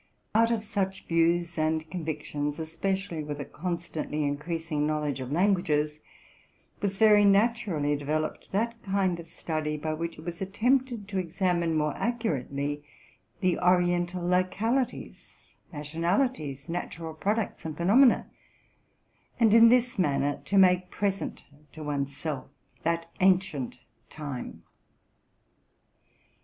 Out of such views and convictions, especially with a con stantly increasing knowledge of languages, was very natu rally developed that kind of study by which it was attempted to examine more accurately the Oriental localities, national ities, natural products, and phenomena, and in this manner to make present to one's self that ancient time.